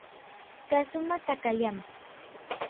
Kazuma Takayama